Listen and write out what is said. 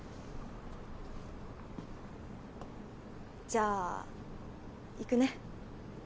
じゃあ行くね。